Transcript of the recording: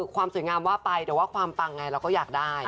ความสวยงามว่าไปแต่ว่าความปังไงเราก็อยากได้